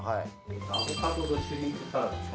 アボカドとシュリンプサラダです。